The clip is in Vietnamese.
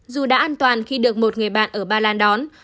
dù đã an toàn khi được một người bạn ở ba lan đón